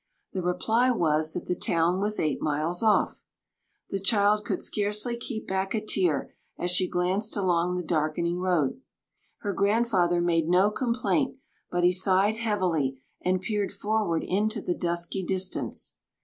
The reply was that the town was eight miles off. The child could scarcely keep back a tear as she glanced along the darkening road. Her grandfather made no complaint, but he sighed heavily, and peered forward into the dusky distance.